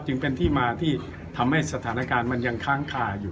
จึงเป็นที่มาที่ทำให้สถานการณ์มันยังค้างคาอยู่